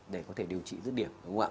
để có thể điều trị rất điểm